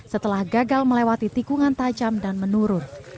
setelah gagal melewati tikungan tajam dan menurun